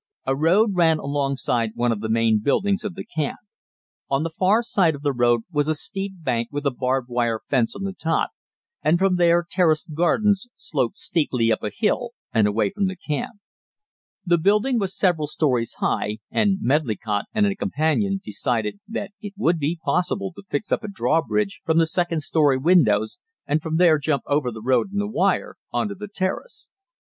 A road ran alongside one of the main buildings of the camp. On the far side of the road was a steep bank with a barbed wire fence on the top, and from there terraced gardens sloped steeply up a hill and away from the camp. The building was several stories high, and Medlicott and a companion decided that it would be possible to fix up a drawbridge from the second story windows, and from there jump over the road and the wire on to the terrace.